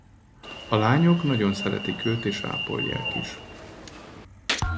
A lányok nagyon szeretik őt és ápolják is.